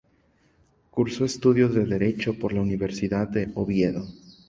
Cursó estudios de Derecho por la Universidad de Oviedo.